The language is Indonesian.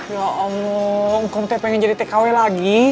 ya allah engkau itu pengen jadi tkw lagi